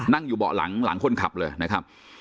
นั่งอยู่เบาะหลังหลังคนขับเลยนะครับ